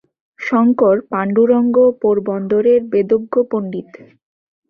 শঙ্কর পাণ্ডুরঙ্গ পোরবন্দরের বেদজ্ঞ পণ্ডিত।